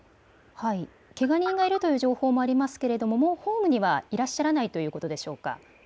けが人がいるという情報もありますけれどももうホームにはいらっしゃらないということでしょうか。